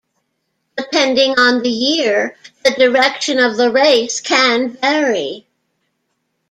Depending on the year, the direction of the race can vary.